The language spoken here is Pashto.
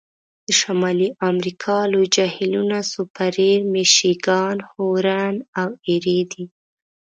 د شمالي امریکا لوی جهیلونه سوپریر، میشیګان، هورن او ایري دي.